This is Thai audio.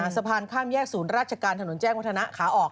สะพานข้ามแยกศูนย์ราชการถนนแจ้งวัฒนะขาออก